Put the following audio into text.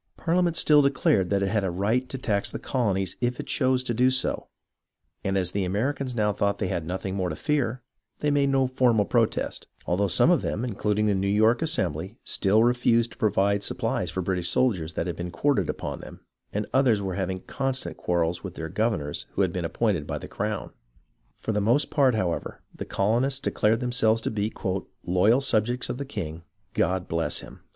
Parhament still declared that it had a right to tax the colonies if it chose to do so, and as the Americans now thought they had nothing more to fear, they made no formal protest, although some of them, including the New York Assembly, still refused to provide supplies for the British soldiers that had been quartered upon them, and others were having constant quarrels with their governors who had been appointed by the crown. For the most part, however, the colonists declared themselves to be "loyal subjects of the king — God bless him!"